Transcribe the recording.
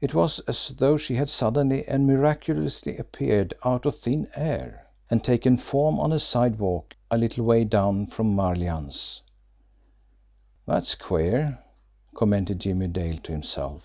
It was as though she had suddenly and miraculously appeared out of thin air, and taken form on a sidewalk a little way down from Marlianne's. "That's queer!" commented Jimmie Dale to himself.